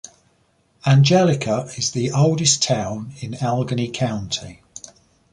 Angelica is the oldest town in Allegany County.